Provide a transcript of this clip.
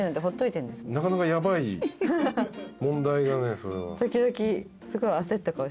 なかなかヤバい問題だねそれは。